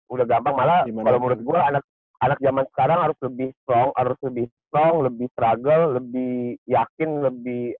udah gampang malah kalau menurut gue anak zaman sekarang harus lebih strong lebih struggle lebih yakin lebih